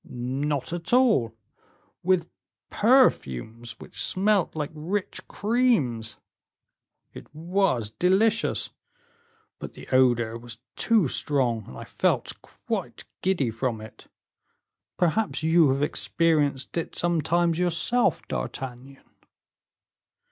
"Not at all; with perfumes, which smelt like rich creams; it was delicious, but the odor was too strong, and I felt quite giddy from it; perhaps you have experienced it sometimes yourself, D'Artagnan?"